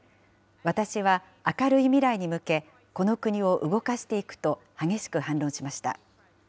私は明るい未来に向け、この国を動かしていくと、激しく反論しました。